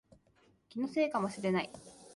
気のせいかもしれない